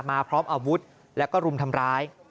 มาพร้อมอาวุธแล้วก็รุมทำร้าย